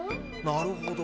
なるほど。